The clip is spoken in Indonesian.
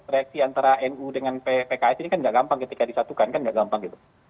reaksi antara nu dengan pks ini kan nggak gampang ketika disatukan kan tidak gampang gitu